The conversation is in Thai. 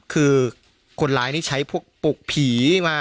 คือคนร้ายนี่ใช้พวกปลุกผีมา